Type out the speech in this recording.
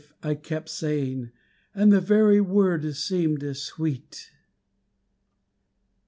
I kept saying, And the very word seemed sweet.